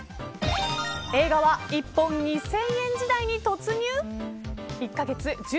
映画は一本２０００円時代に突入。